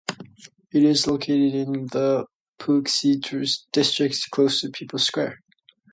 It is located in the Puxi district, close to People's Square.